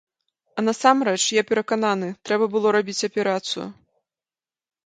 А насамрэч, я перакананы, трэба было рабіць аперацыю.